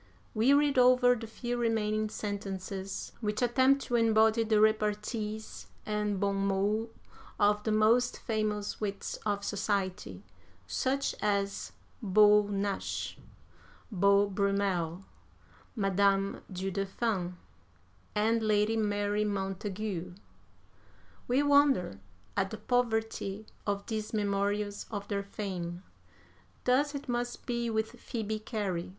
We read over the few remaining sentences which attempt to embody the repartees and bon mots of the most famous wits of society, such as Beau Nash, Beau Brummel, Madame du Deffand, and Lady Mary Montagu; we wonder at the poverty of these memorials of their fame. Thus it must be with Phoebe Cary.